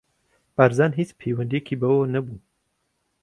بارزان هیچ پەیوەندییەکی بەوەوە نەبوو.